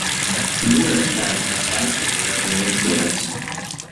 Numerous bands have cited it as an influence.